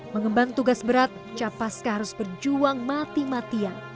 mengembang tugas berat capaska harus berjuang mati matian